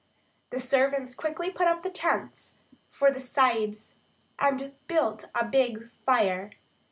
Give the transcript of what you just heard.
The servants quickly put up the tents for the Sahibs and built a big fire.